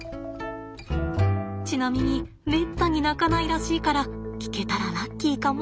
ちなみにめったに鳴かないらしいから聞けたらラッキーかも。